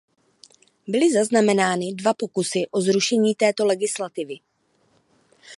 Byly zaznamenány dva pokusy o zrušení této legislativy.